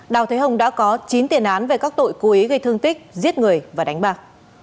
đào thế hồng đã có chín tiền án về các tội cố ý gây thương tích giết người và đánh bạc